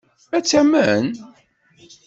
Ad tt-tamen?